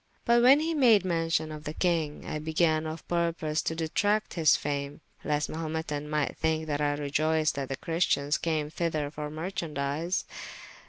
But when he had made mention of the kyng, I began of purpose to detracte his fame, lest the Mahumetan might thinke that I reioyced that the Christians came thyther for merchandies.